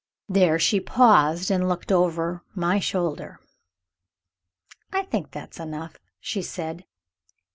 There she paused, and looked over my shoulder. "I think that is enough," she said.